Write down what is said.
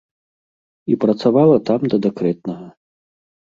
І працавала там да дэкрэтнага.